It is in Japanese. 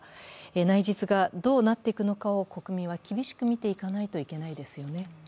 内実がどうなっていくのかを国民は厳しく見ていかないといけないですよね。